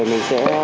thì mình sẽ